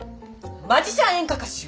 マジシャン演歌歌手。